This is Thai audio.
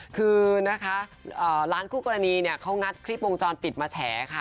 คือนะคะร้านคู่กรณีเนี่ยเขางัดคลิปวงจรปิดมาแฉค่ะ